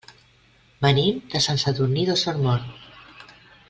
Venim de Sant Sadurní d'Osormort.